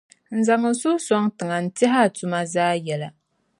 N zaŋ n suhu sɔŋ tiŋa n-tɛh’ a tuma zaa yɛla.